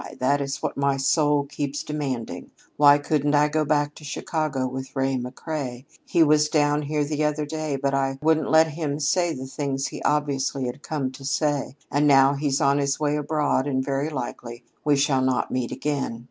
That is what my soul keeps demanding. Why couldn't I go back to Chicago with Ray McCrea? He was down here the other day, but I wouldn't let him say the things he obviously had come to say, and now he's on his way abroad and very likely we shall not meet again.